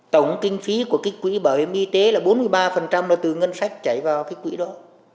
tổng kinh phí của cái quỹ bảo hiểm y tế là bốn mươi ba là từ ngân sách chảy vào cái quỹ đó